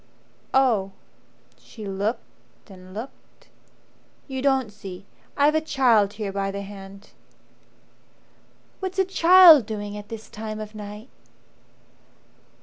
"Oh." She looked and looked. "You don't see I've a child here by the hand." "What's a child doing at this time of night